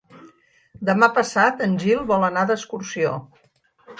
Demà passat en Gil vol anar d'excursió.